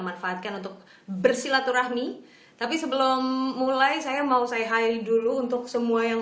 manfaatkan untuk bersilaturahmi tapi sebelum mulai saya mau saya highri dulu untuk semua yang